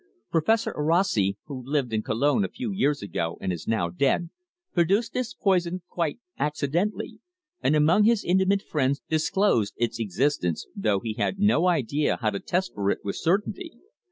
Professor Orosi, who lived in Cologne a few years ago and is now dead, produced this poison quite accidentally, and among his intimate friends disclosed its existence, though he had no idea how to test for it with certainty.